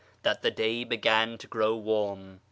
that the day began to grow warm.